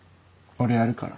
俺やるから。